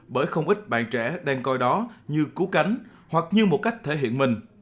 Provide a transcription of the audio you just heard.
bởi không ít bạn trẻ đang coi đó như cứu cánh hoặc như một cách thể hiện mình